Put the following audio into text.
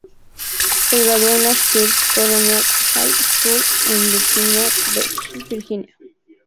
Se graduó en la First Colonial High School en Virginia Beach, Virginia.